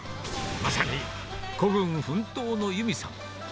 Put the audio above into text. まさに孤軍奮闘の裕美さん。